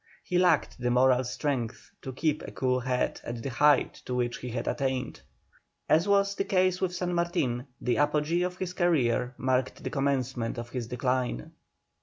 He lacked the moral strength to keep a cool head at the height to which he had attained. As was the case with San Martin, the apogee of his career marked the commencement of his decline.